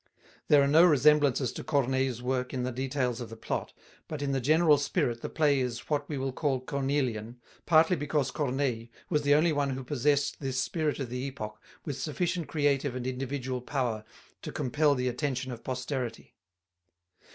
There are no resemblances to Corneille's work in the details of the plot, but in general spirit the play is what we call Cornelian, partly because Corneille was the only one who possessed this spirit of the epoch with sufficient creative and individual power to compel the attention of posterity.